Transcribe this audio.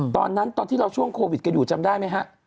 ตอนที่เราช่วงโควิดกันอยู่จำได้ไหมฮะ